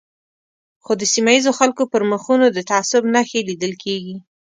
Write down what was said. خو د سیمه ییزو خلکو پر مخونو د تعصب نښې لیدل کېږي.